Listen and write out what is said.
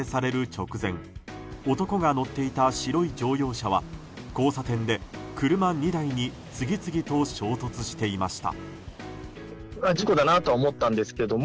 直前男が乗っていた白い乗用車は交差点で車２台に次々と衝突していました。